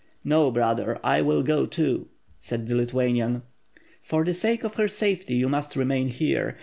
"No, brother, I will go too," said the Lithuanian. "For the sake of her safety, you must remain here.